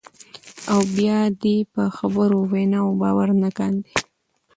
او بیا دې په خبرو او ویناوو باور نه کاندي،